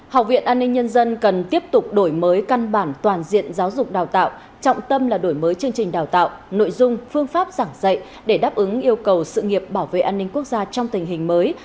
học viện an ninh nhân dân cần tiếp tục đổi mới căn bản toàn diện giáo dục đào tạo trọng tâm là đổi mới chương trình đào tạo nội dung phương pháp giảng dạy để đáp ứng yêu cầu sự nghiệp bảo vệ an ninh quốc gia trong tình hình mới